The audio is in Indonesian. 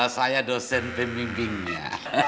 saya dosen pemimpinnya